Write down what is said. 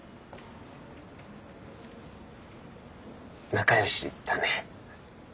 仲よしだね。